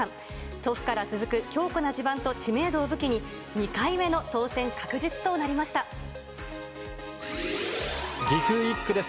祖父から続く強固な地盤と知名度を武器に、２回目の当選確実とな岐阜１区です。